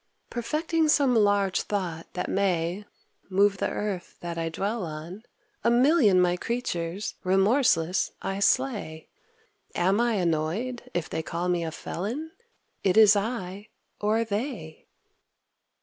Perfecting some large thought that may Move the earth that I dwell on, A million my creatures, remorseless, I slay. Am I annoyed if they call me a felon! It is I, or they.